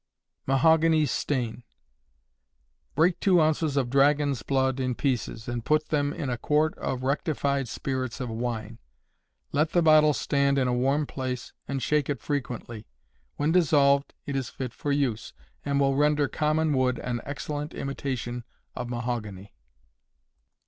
Mahogany Stain. Break two ounces of dragon's blood in pieces, and put them in a quart of rectified spirits of wine; let the bottle stand in a warm place, and shake it frequently. When dissolved, it is fit for use, and will render common wood an excellent imitation of mahogany.